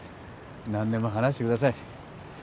何でも話してください